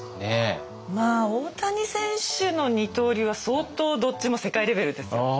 まあ大谷選手の二刀流は相当どっちも世界レベルですよ。